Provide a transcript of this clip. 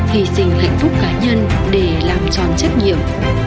hy sinh hạnh phúc cá nhân để làm tròn trách nhiệm